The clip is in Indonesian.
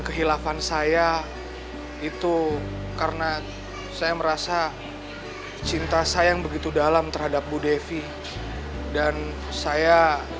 kehilafan saya itu karena saya merasa cinta saya yang begitu dalam terhadap bu devi dan saya